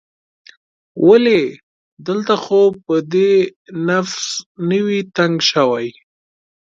ولې؟ دلته خو به دې نفس نه وي تنګ شوی؟